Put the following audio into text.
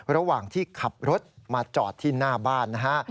ระหว่างที่ขับรถมาจอดที่หน้าบ้านนะฮะ